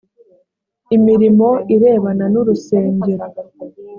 imirimo irebana n urusengero